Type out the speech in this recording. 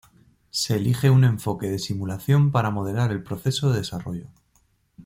Se elige un enfoque de simulación para modelar el proceso de desarrollo.